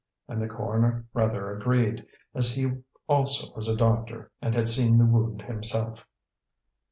and the coroner rather agreed, as he also was a doctor and had seen the wound himself.